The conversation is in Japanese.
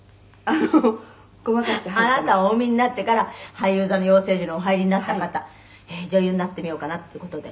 「あなたをお産みになってから俳優座の養成所にお入りになった方」「女優になってみようかなっていう事で」